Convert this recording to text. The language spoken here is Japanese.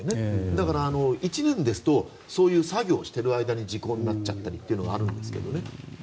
だから１年ですとそういう作業をしている間に時効になっているというのはあるんですけどね。